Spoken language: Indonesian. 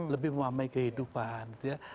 lebih memahami kehidupan gitu ya